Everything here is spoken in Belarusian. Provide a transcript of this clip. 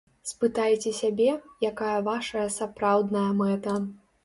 Спытайце сябе, якая вашая сапраўдная мэта.